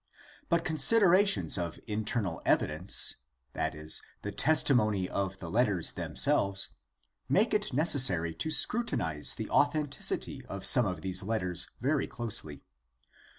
But considerations of internal evidence, i.e., the testimony of the letters themselves, make it necessary to scrutinize the authenticity of some of these letters very closely.